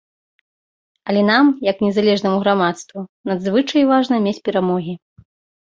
Але нам, як незалежнаму грамадству надзвычай важна мець перамогі.